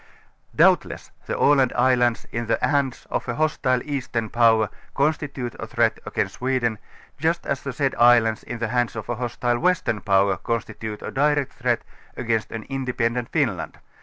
Doubtless the x\land islands in the hands of a hostile eastern power constitute a threat against Sweden, just as the said islands in the hands of a hostile western power o(jnstitute a direct threat against an independent Finland.